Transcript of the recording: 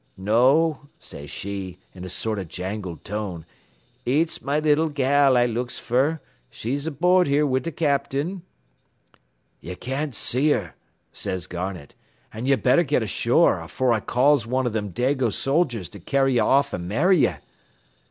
"'No,' says she, in a sort o' jangled tone, 'eets my little gal I looks fer she's aboard here wid th' capt'in,' "'Ye can't see her,' says Garnett, 'an' ye better get ashore afore I calls one av thim Dago soldiers to carry ye off an' marry ye.'